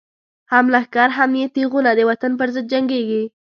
هم لښکر هم یی تیغونه، د وطن پر ضد جنگیږی